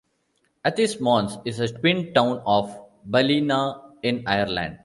Athis-Mons is a twin town of Ballina in Ireland.